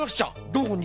どこに？